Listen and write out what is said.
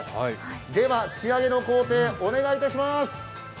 では、仕上げの工程、お願いいたします。